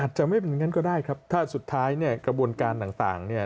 จะไม่เป็นอย่างนั้นก็ได้ครับถ้าสุดท้ายเนี่ยกระบวนการต่างเนี่ย